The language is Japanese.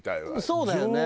そうだよね。